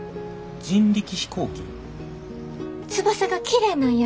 翼がきれいなんや。